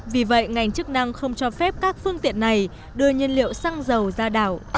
vì vậy ngành chức năng không cho phép các phương tiện này đưa nhiên liệu xăng dầu ra đảo